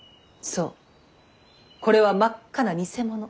そうこれは真っ赤な偽物。